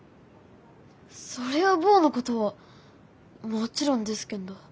そりゃ坊のことはもちろんですけんど。